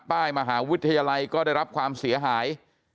มหาวิทยาลัยก็ได้รับความเสียหาย